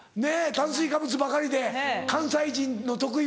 炭水化物ばかりで関西人の得意技。